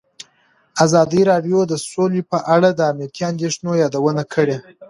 ازادي راډیو د سوله په اړه د امنیتي اندېښنو یادونه کړې.